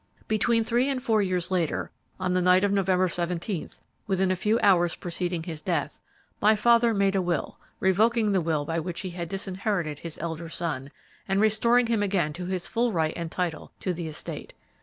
"Between three and four years later, on the night of November seventeenth, within a few hours preceding his death, my father made a will, revoking the will by which he had disinherited his elder son, and restoring him again to his full right and title to the estate.